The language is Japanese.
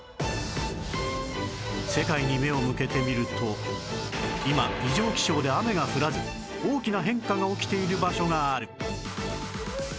世界に目を向けてみると今異常気象で雨が降らず大きな変化が起きている場所がある